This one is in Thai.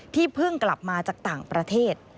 เพิ่งกลับมาจากต่างประเทศ